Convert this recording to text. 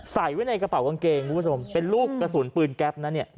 ใส่ไว้ในกระเป๋ากางเกงเป็นรูปกระสุนปืนแก๊ปนะเนี่ย